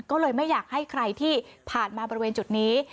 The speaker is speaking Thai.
ก็เลยไม่อยากให้ใครที่ผ่านมาบริเวณจุดนี้